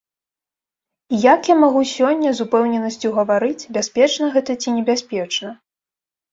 І як я магу сёння з упэўненасцю гаварыць, бяспечна гэта ці небяспечна?